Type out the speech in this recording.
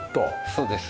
そうです。